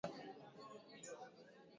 Unisalimie hapo